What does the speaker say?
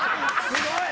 すごい！